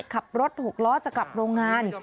ขับรถหกล้อจะกลับโรงงาน